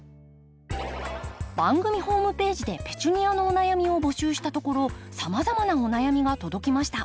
番組ホームページでペチュニアのお悩みを募集したところさまざまなお悩みが届きました。